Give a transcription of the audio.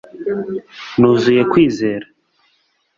nuzuye kwizera